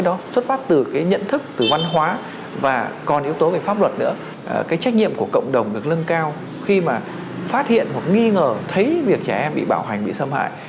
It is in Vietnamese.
đối với pháp luật nữa cái trách nhiệm của cộng đồng được lưng cao khi mà phát hiện hoặc nghi ngờ thấy việc trẻ em bị bạo hành bị xâm hại